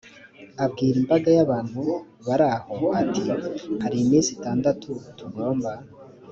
abwira imbaga y abantu bari aho ati hari iminsi itandatu tugomba